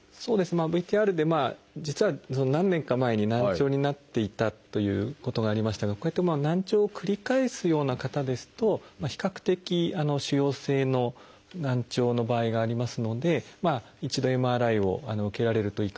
ＶＴＲで実は何年か前に難聴になっていたということがありましたがこういった難聴を繰り返すような方ですと比較的腫瘍性の難聴の場合がありますので一度ＭＲＩを受けられるといいかなと。